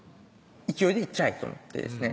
勢いでいっちゃえと思ってですね